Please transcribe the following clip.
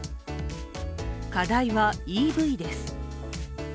課題はＥＶです。